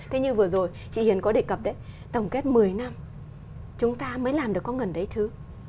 thế như vừa rồi chị hiền có đề cập đấy tổng kết một mươi năm chúng ta mới làm được có ngần đấy thứ